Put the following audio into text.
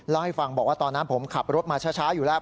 เล่าให้ฟังบอกว่าตอนนั้นผมขับรถมาช้าอยู่แล้ว